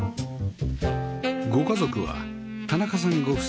ご家族は田中さんご夫妻